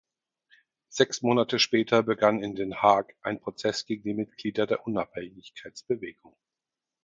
Sechs Monate später begann in Den Haag ein Prozess gegen die Mitglieder der Unabhängigkeitsbewegung.